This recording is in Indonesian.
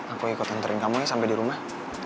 aku ikut nganterin kamu aja sampe di rumah